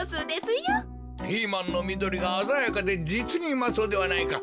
ピーマンのみどりがあざやかでじつにうまそうではないか。